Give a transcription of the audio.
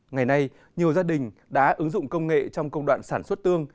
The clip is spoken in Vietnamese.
ngày nay nhiều gia đình đã ứng dụng công nghệ trong công đoạn sản xuất tương